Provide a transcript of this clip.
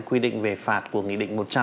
quy định về phạt của nghị định một trăm linh